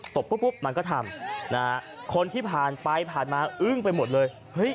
บปุ๊บมันก็ทำนะฮะคนที่ผ่านไปผ่านมาอึ้งไปหมดเลยเฮ้ย